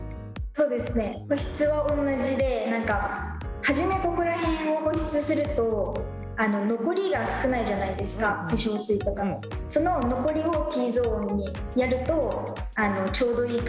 そうですね保湿は同じで初めここら辺を保湿すると残りが少ないじゃないですか化粧水とかのその残りをＴゾーンにやるとちょうどいい感じに保湿されるので。